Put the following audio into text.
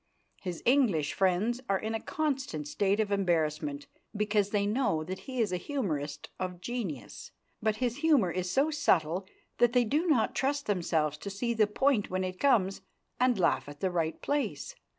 His English friends are in a constant state of embarrassment because they know that he is a humorist of genius, but his humour is so subtle that they do not trust themselves to see the point when it comes and laugh at the right place.